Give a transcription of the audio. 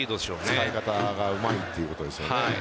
使い方がうまいということですね。